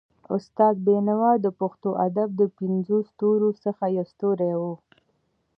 استاد بينوا د پښتو ادب د پنځو ستورو څخه يو ستوری وو.